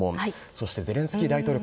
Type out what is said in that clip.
そしてゼレンスキー大統領